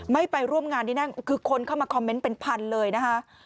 ไปร่วมงานที่นั่นคือคนเข้ามาคอมเมนต์เป็นพันเลยนะคะ